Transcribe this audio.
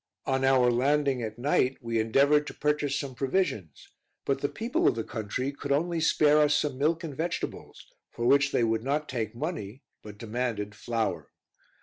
On our landing, at night, we endeavored to purchase some provisions, but the people of the country could only spare us some milk and vegetables, for which they would not take money, but demanded flour.